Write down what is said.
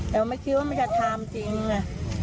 เราไม่คิดว่ามันจะทำจริงไง